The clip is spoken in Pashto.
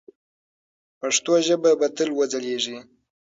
پښتو ژبه به تل وځلیږي.